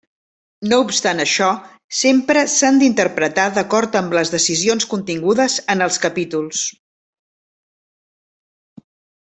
No obstant això, sempre s'han d'interpretar d'acord amb les decisions contingudes en els capítols.